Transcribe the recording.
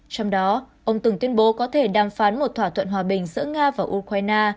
trong đó ông từng tuyên bố có thể đàm phán một thỏa thuận hòa bình giữa nga và ukraine